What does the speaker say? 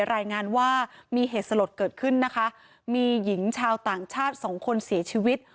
รายงานว่ามีเหตุสลดเกิดขึ้นนะคะมีหญิงชาวต่างชาติสองคนเสียชีวิต